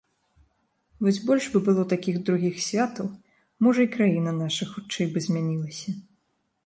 Вось больш бы было такіх другіх святаў, можа, і краіна наша хутчэй бы змянілася.